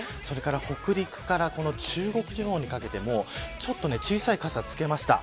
北陸から中国地方にかけてもちょっと小さい傘をつけました。